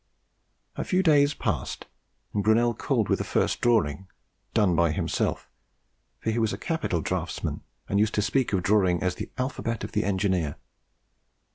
A few days passed, and Brunel called with the first drawing, done by himself; for he was a capital draughtsman, and used to speak of drawing as the "alphabet of the engineer."